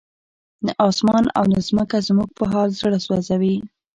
نه اسمان او نه ځمکه زموږ په حال زړه سوځوي.